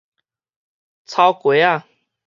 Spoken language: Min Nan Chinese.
草雞仔